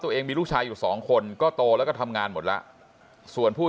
ตัวเองมีลูกชายอยู่สองคนก็โตแล้วก็ทำงานหมดแล้วส่วนผู้